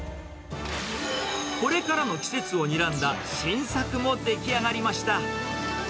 これからの季節をにらんだ新作も出来上がりました。